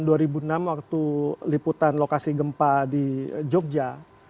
tahun dua ribu enam waktu liputan lokasi gempa di jogja